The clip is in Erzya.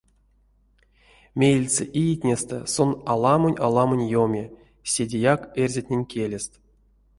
Меельце иетнестэ сон аламонь-аламонь еми, седеяк — эрзятнень келест.